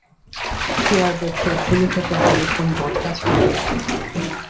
Share ব্যবসায় ফুলে ফেঁপে আমি একদম বটগাছ হয়ে গেলাম।